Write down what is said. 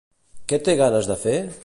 Què té ganes de fer?